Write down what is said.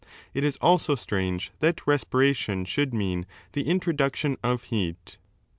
^ It is also strange that respiration should mean the introduction of heat.